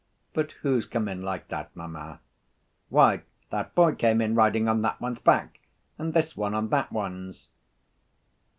"But who's come in like that, mamma?" "Why, that boy came in riding on that one's back and this one on that one's."